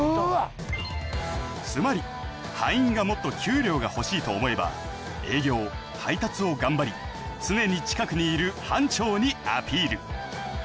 つまり班員がもっと給料が欲しいと思えば営業・配達を頑張り常に近くにいる班長にアピール